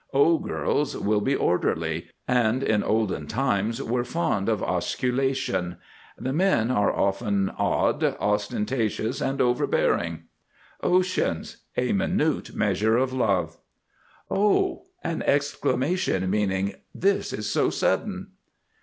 O girls will be Orderly, and in olden times were fond of Osculation. The men are often Odd, Ostentatious, and Overbearing. OCEANS. A minute measure of Love. OH! An exclamation meaning "this is so sudden."